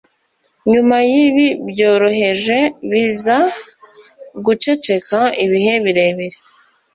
nyuma yibi byoroheje biza guceceka ibihe birebire